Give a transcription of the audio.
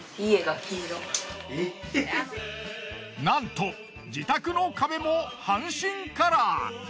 なんと自宅の壁も阪神カラー。